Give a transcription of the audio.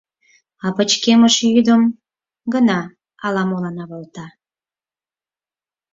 А пычкемыш йӱдым гына ала-молан авалта...